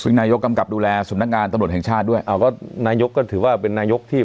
ซึ่งนายกกำกับดูแลสำนักงานตำรวจแห่งชาติด้วยอ้าวก็นายกก็ถือว่าเป็นนายกที่